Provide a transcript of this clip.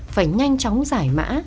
phải nhanh chóng giải mã